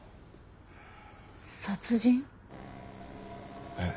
殺人？えっ。